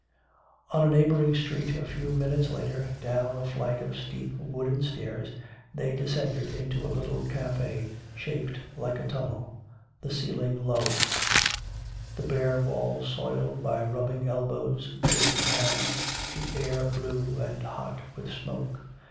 On a neighboring street, a few minutes later, down a flight of steep wooden stairs they descended into a little café, shaped like a tunnel, the ceiling low, the bare walls soiled by rubbing elbows, dirty hands, the air blue and hot with smoke.